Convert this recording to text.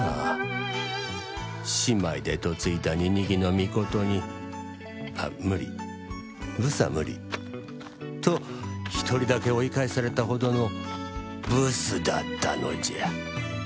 姉妹で嫁いだニニギノミコトに「あっ無理。ブスは無理」と一人だけ追い返されたほどのブスだったのじゃ